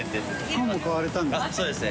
パンも買われたんですね。